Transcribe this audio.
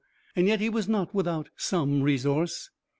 And yet he was not without some resource.